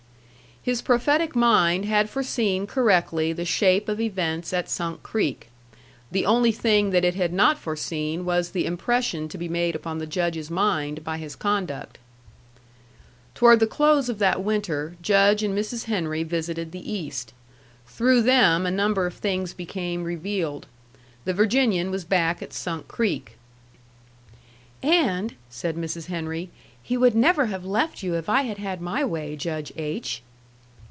His prophetic mind had foreseen correctly the shape of events at Sunk Creek. The only thing that it had not foreseen was the impression to be made upon the Judge's mind by his conduct. Toward the close of that winter, Judge and Mrs. Henry visited the East. Through them a number of things became revealed. The Virginian was back at Sunk Creek. "And," said Mrs. Henry, "he would never have left you if I had had my way, Judge H.!"